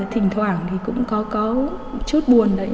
thỉnh thoảng thì cũng có chút buồn đấy